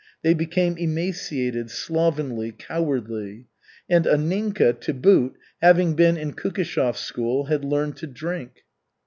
They became emaciated, slovenly, cowardly. And Anninka, to boot, having been in Kukishev's school, had learned to drink.